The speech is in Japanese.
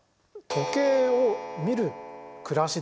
時計を見る暮らし？